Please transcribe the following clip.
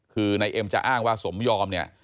คือนายเอ็มจะอ้างว่าสมยอมเนี่ย